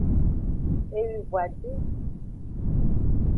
Ewivon adin.